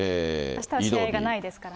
あしたは試合がないですからね。